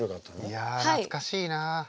いや懐かしいな。